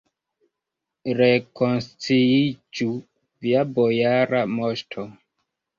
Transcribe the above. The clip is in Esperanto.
Rekonsciiĝu, via bojara moŝto!